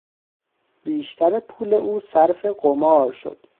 بیشتر پول او صرف قمار شد.